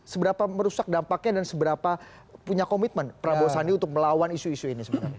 seberapa merusak dampaknya dan seberapa punya komitmen prabowo sandi untuk melawan isu isu ini sebenarnya